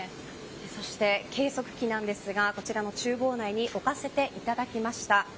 そして計測器なんですがこちらも厨房内に置かせていただきました。